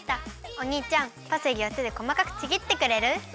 おにいちゃんパセリをてでこまかくちぎってくれる？